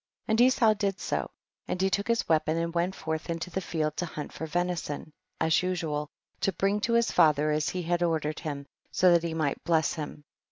3. And Esau did so ; and he took his weapon and went forth into the field to hunt for venison, as usual, to bring to his father as he had or dered him, so that he might bless him.